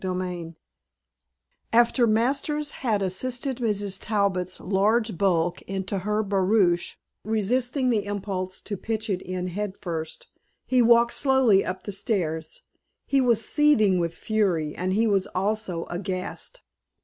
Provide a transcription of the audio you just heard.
XVI After Masters had assisted Mrs. Abbott's large bulk into her barouche, resisting the impulse to pitch it in headfirst, he walked slowly up the stairs. He was seething with fury, and he was also aghast.